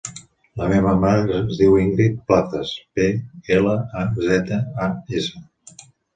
La meva mare es diu Íngrid Plazas: pe, ela, a, zeta, a, essa.